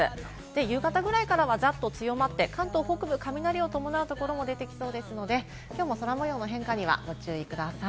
夕方くらいからは、ざっと強まって、関東北部、雷を伴うところも出てきそうですので、きょうも空模様の変化にはご注意ください。